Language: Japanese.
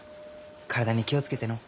体に気を付けてのう。